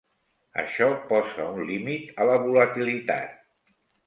Això posa un límit a la volatilitat.